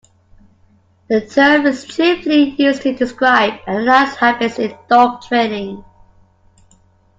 The term is chiefly used to describe and analyse habits in dog training.